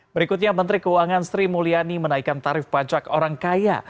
berikutnya menteri keuangan sri mulyani menaikkan tarif pajak orang kaya